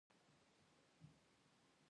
سوله او امنیت د پرمختګ لومړنی شرط دی.